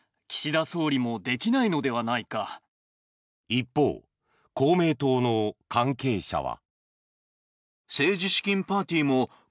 一方、公明党の関係者は。